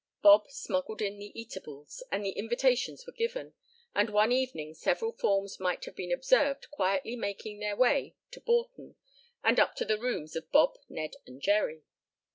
Bob smuggled in the eatables, and the invitations were given, and one evening several forms might have been observed quietly making their way to Borton, and up to the rooms of Bob, Ned and Jerry.